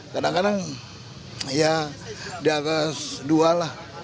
kadang kadang ya di atas dua lah